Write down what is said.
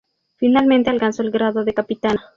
Finalmente alcanzó el grado de capitana.